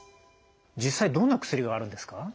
実際どんな薬があるんですか？